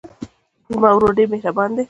زما ورور ډېر مهربان دی.